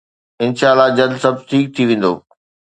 انشاالله جلد سڀ ٺيڪ ٿي ويندو